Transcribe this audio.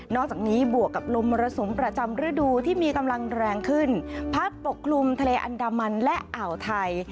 อกจากนี้บวกกับลมมรสุมประจำฤดูที่มีกำลังแรงขึ้นพัดปกคลุมทะเลอันดามันและอ่าวไทย